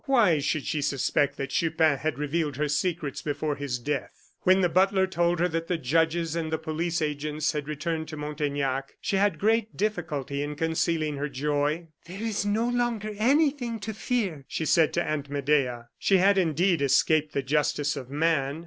Why should she suspect that Chupin had revealed her secret before his death? When the butler told her that the judges and the police agents had returned to Montaignac, she had great difficulty in concealing her joy. "There is no longer anything to fear," she said to Aunt Medea. She had, indeed, escaped the justice of man.